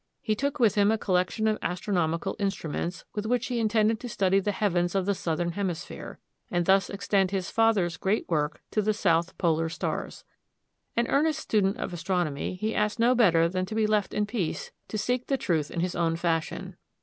He took with him a collection of astronomical instruments, with which he intended to study the heavens of the southern hemisphere, and thus extend his father's great work to the south polar stars. An earnest student of astronomy, he asked no better than to be left in peace to seek the truth in his own fashion.